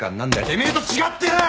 てめえと違ってな！